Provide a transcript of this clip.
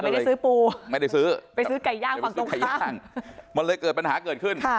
แต่ไม่ได้ซื้อปูไปซื้อไก่ย่างมันเลยเกิดปัญหาเกิดขึ้น